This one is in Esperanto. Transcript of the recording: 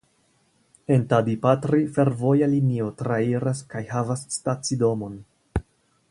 En Tadipatri fervoja linio trairas kaj havas stacidomon.